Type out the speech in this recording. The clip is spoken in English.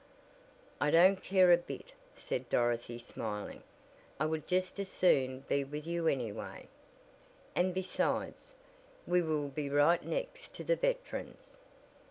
"I don't care a bit," said Dorothy smiling. "I would just as soon be with you any way. And besides, we will be right next to the Veterans."